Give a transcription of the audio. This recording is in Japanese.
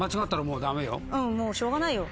うんもうしょうがないよ。